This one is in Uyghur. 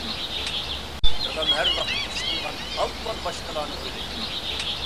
دادام ھەر ۋاقىت ئىش قىلغاندا ئاۋۋال باشقىلارنى ئويلايتتى.